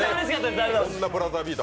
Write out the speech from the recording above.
こんな「ブラザービート」